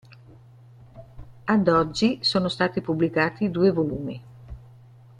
Ad oggi sono stati pubblicati due volumi.